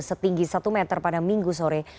setinggi satu meter pada minggu sore